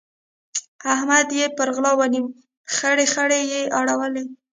احمد چې يې پر غلا ونيو؛ خړې خړې يې اړولې.